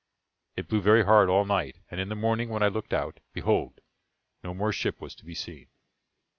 It blew very hard all night, and in the morning, when I looked out, behold, no more ship was to be seen!